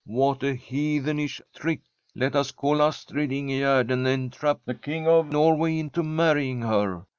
What a heathenish trick I Let us call Astrid Ingegerd, and entrap the King of Norway into marrying her.